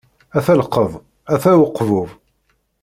Ata llqeḍ, ata uqbub.